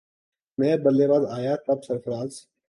نیا بلے باز آیا تب سرفراز